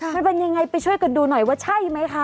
มันเป็นยังไงไปช่วยกันดูหน่อยว่าใช่ไหมคะ